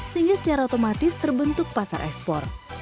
sehingga secara otomatis terbentuk pasar ekspor